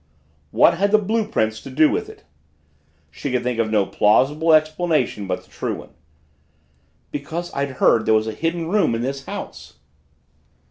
"What had the blue prints to do with it?" She could think of no plausible explanation but the true one. "Because I'd heard there was a Hidden Room in this house."